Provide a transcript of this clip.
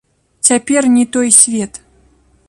Цяпер не той свет.